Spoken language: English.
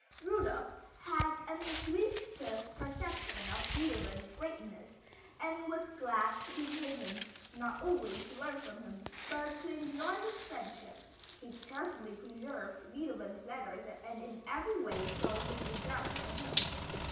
Rudolph had an intuitive perception of Beethoven's greatness and was glad to be near him, not only to learn from him, but to enjoy his friendship. He carefully preserved Beethoven's letters and in every way showed his regard for him.